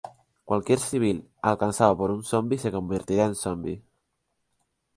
Cualquier civil alcanzado por un zombi se convertirá en zombi.